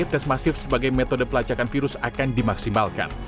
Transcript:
tes masif sebagai metode pelacakan virus akan dimaksimalkan